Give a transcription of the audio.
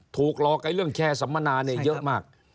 ถูกหลอกเรื่องแชร์สัมมนาเนี่ยเยอะมาก